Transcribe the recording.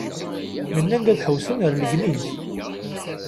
Mennan-d ad ḥewwsen ar Legniz.